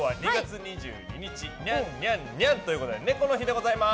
にゃん、にゃん、にゃんということで猫の日でございます。